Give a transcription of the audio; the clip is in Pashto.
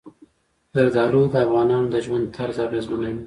زردالو د افغانانو د ژوند طرز اغېزمنوي.